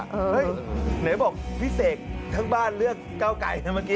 ไหนบอกพี่เสกทั้งบ้านเลือกเก้าไก่นะเมื่อกี้